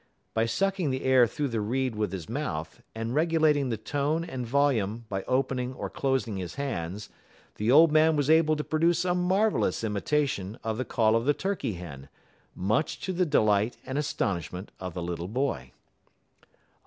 By sucking the air through the reed with his mouth, and regulating the tone and volume by opening or closing his hands, the old man was able to produce a marvellous imitation of the call of the turkey hen, much to the delight and astonishment of the little boy.